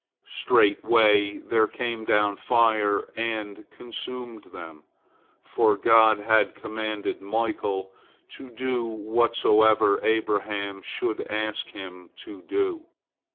Straightway there came down fire and consumed them, for God had commanded Michael to do whatsoever Abraham should ask him to do.